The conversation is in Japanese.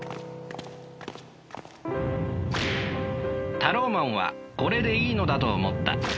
タローマンはこれでいいのだと思った。